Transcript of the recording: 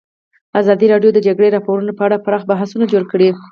ازادي راډیو د د جګړې راپورونه په اړه پراخ بحثونه جوړ کړي.